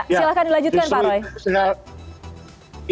silahkan dilanjutkan pak roy